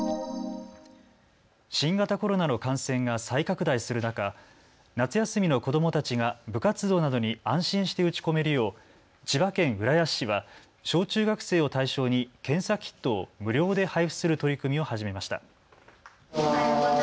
新型コロナの感染が再拡大する中、夏休みの子どもたちが部活動などに安心して打ち込めるよう千葉県浦安市は小中学生を対象に検査キットを無料で配布する取り組みを始めました。